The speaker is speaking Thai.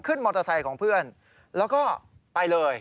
มอเตอร์ไซค์ของเพื่อนแล้วก็ไปเลย